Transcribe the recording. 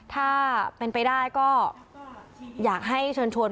ถ้าเป็นไปได้ก็อยากให้เชิญชวน